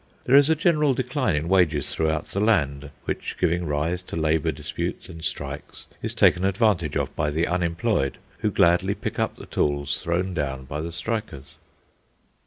There is a general decline in wages throughout the land, which, giving rise to labour disputes and strikes, is taken advantage of by the unemployed, who gladly pick up the tools thrown down by the strikers.